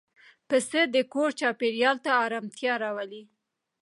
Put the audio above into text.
پسه د کور چاپېریال ته آرامتیا راولي.